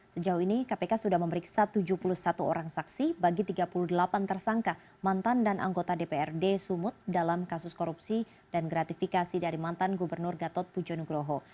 sejauh ini kpk sudah memeriksa tujuh puluh satu orang saksi bagi tiga puluh delapan tersangka mantan dan anggota dprd sumut dalam kasus korupsi dan gratifikasi dari mantan gubernur gatot pujo nugroho